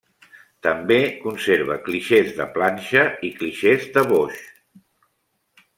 També conserva clixés de planxa i clixés de boix.